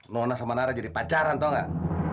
nona sama nara jadi pacaran tahu nggak